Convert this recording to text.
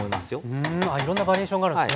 うんいろんなバリエーションがあるんですね。